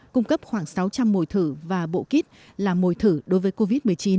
cung cấp khoảng sáu trăm linh mồi thử và bộ kít làm mồi thử đối với covid một mươi chín